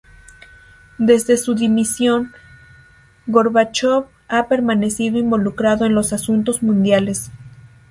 Desde su dimisión, Gorbachov ha permanecido involucrado en los asuntos mundiales.